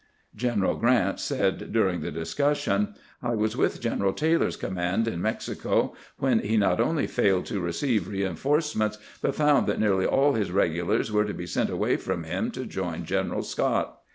General G rant said during the discussion: "I was with Greneral Taylor's command in Mexico when he not only failed to receive reinforcements, but found that nearly all his regulars were to be sent away from him to join General Scott.